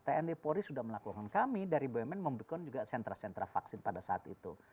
tni polri sudah melakukan kami dari bumn membuat juga sentra sentra vaksin pada saat itu